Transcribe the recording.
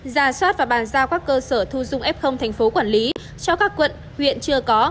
giả soát và bàn giao các cơ sở thu dung f thành phố quản lý cho các quận huyện chưa có